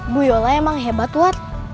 bu yola emang hebat banget